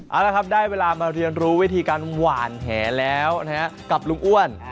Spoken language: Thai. เอาละครับได้เวลามาเรียนรู้วิธีการหวานแหแล้วนะฮะกับลุงอ้วน